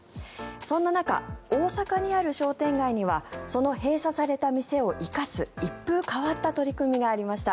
そんな中、大阪にある商店街にはその閉鎖された店を生かす一風変わった取り組みがありました。